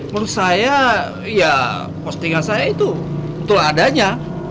menurut saya ya postingan saya itu untuk adanya